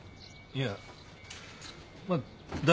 いや。